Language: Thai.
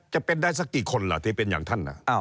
จะเป็นได้สักกี่คนล่ะที่เป็นอย่างท่าน